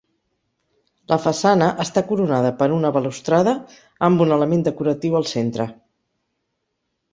La façana està coronada per una balustrada amb un element decoratiu al centre.